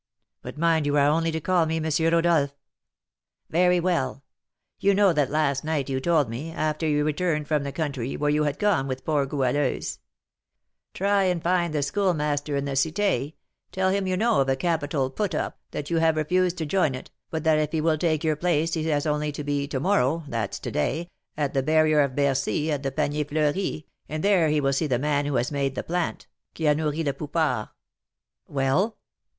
But mind, you are only to call me M. Rodolph." "Very well. You know that last night you told me, after you returned from the country, where you had gone with poor Goualeuse, 'Try and find the Schoolmaster in the Cité; tell him you know of a capital "put up," that you have refused to join it, but that if he will take your place he has only to be to morrow (that's to day) at the barrier of Bercy, at the Panier Fleuri, and there he will see the man who has "made the plant" (qui a nourri le poupard).'" "Well."